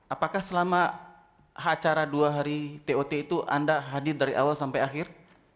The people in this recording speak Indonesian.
apakah selama acara dua hari tot itu anda hadir dari awal sampai akhir